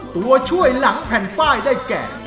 ตัวช่วยหลังแผ่นป้ายได้แก่